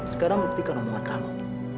sekarang buktikan omongan kamu